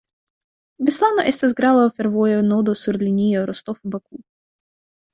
Beslano estas grava fervoja nodo sur linio Rostov—Baku.